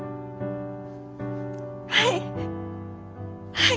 はい。